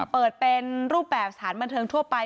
เปิดเป็นรูปแบบสถานบันเทิงทั่วไป